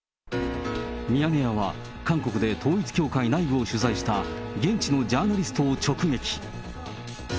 ミヤネ屋は、韓国で統一教会内部を取材した現地のジャーナリストを直撃。